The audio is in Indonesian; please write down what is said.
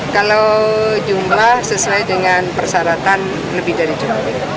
kalau jumlah sesuai dengan persyaratan lebih dari cukup